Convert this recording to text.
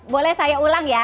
boleh saya ulang ya